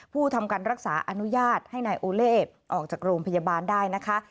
ทำการรักษาอนุญาตให้นายโอเล่ออกจากโรงพยาบาลได้นะคะ